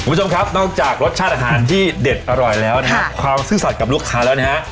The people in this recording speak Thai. คุณผู้ชมครับนอกจากรสชาติอาหารที่เด็ดอร่อยแล้วนะครับความซื่อสัตว์กับลูกค้าแล้วนะฮะ